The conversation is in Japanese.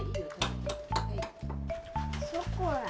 ショコラ。